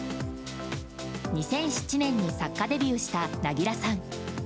２００７年に作家デビューした凪良さん。